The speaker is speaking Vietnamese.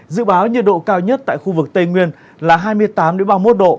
dự báo nhiệt độ cao nhất tại khu vực tây nguyên là hai mươi tám ba mươi một độ